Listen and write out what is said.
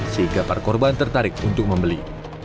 sehingga parkorban tertarik untuk membeli